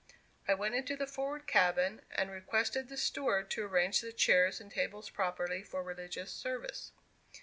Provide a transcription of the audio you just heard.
I went into the forward cabin, and requested the steward to arrange the chairs and tables properly for religious service.